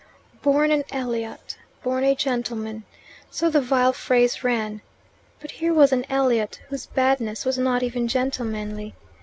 "Born an Elliot born a gentleman." So the vile phrase ran. But here was an Elliot whose badness was not even gentlemanly.